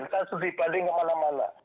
saya sudah dibanding kemana mana